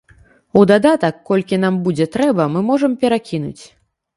У дадатак, колькі нам будзе трэба, мы можам перакінуць.